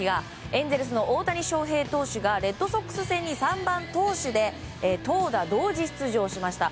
エンゼルスの大谷翔平投手がレッドソックス戦に投打同時出場しました。